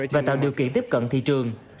và tạo điều kiện tiếp cận thị trường